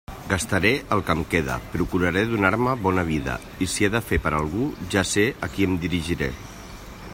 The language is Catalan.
Gastaré el que em queda; procuraré donar-me bona vida, i si he de fer per algú, ja sé a qui em dirigiré.